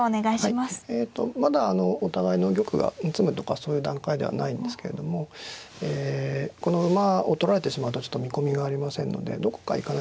えっとまだお互いの玉が詰むとかそういう段階ではないんですけれどもこの馬を取られてしまうとちょっと見込みがありませんのでどこか行かなければならない。